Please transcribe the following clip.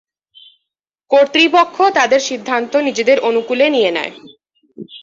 কর্তৃপক্ষ তাদের সিদ্ধান্ত নিজেদের অনুকূলে নিয়ে নেয়।